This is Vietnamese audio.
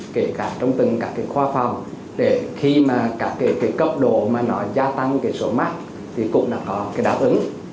kể cả trong từng khoa phòng để khi mà cấp độ gia tăng số mắc thì cũng đã có đáp ứng